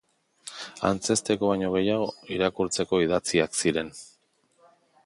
Antzezteko baino gehiago, irakurtzeko idatziak ziren.